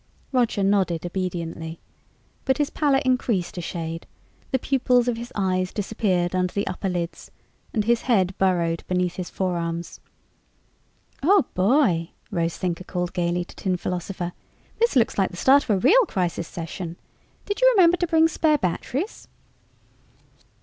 Roger nodded obediently. But his pallor increased a shade, the pupils of his eyes disappeared under the upper lids, and his head burrowed beneath his forearms. "Oh, boy," Rose Thinker called gayly to Tin Philosopher, "this looks like the start of a real crisis session! Did you remember to bring spare batteries?"